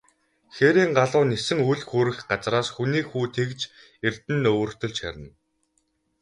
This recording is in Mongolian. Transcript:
Хээрийн галуу нисэн үл хүрэх газраас, хүний хүү тэгж эрдэнэ өвөртөлж харина.